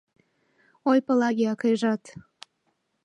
Ой, Палаги акайжат